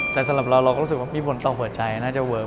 แต่สำหรับเราเราก็รู้สึกว่ามีผลต่อหัวใจน่าจะเวิร์ค